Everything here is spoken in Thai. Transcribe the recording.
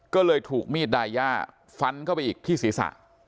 ก็เลยถูกมีดดายาฟันเข้าไปอีกที่ศีรษะ